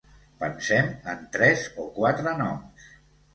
Pensem en tres o quatre noms.